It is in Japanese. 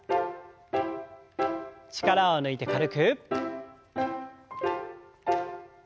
力を抜いて軽く。